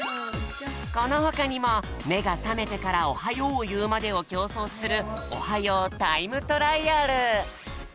このほかにもめがさめてからおはようをいうまでをきょうそうする「おはようタイムトライアル」。